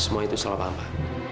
semua itu salah papa